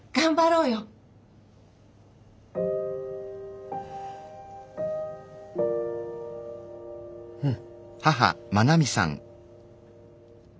うん。